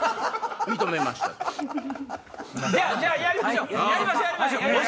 じゃあやりましょう！